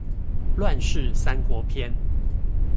亂世三國篇